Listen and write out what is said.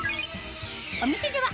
お店では